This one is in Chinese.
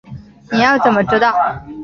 你要怎么知道